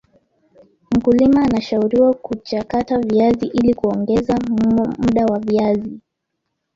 mkulima anashauriwa kuchakata viazi ili kuongeza mda wa viazi